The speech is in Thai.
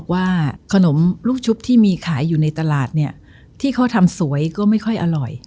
ว่าขนมลูกชุบที่มีขายอยู่ในตลาดเนี่ยที่เขาทำสวยก็ไม่ค่อยอร่อย